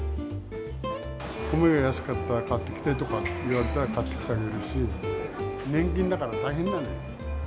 米が安かったら買ってきてとか言われたら、買ってきてあげるし、年金だから大変なのよ。